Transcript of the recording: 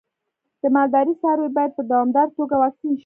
د مالدارۍ څاروی باید په دوامداره توګه واکسین شي.